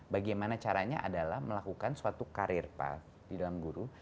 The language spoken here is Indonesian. bagaimana caranya adalah melakukan suatu karir pak di dalam guru